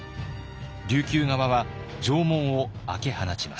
琉球側は城門を開け放ちます。